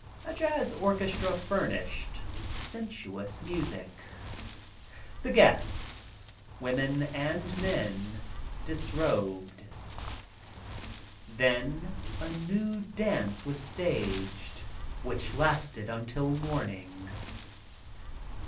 A jazz orchestra furnished sensuous music. The guests, women and men, disrobed. Then a nude dance was staged which lasted until morning.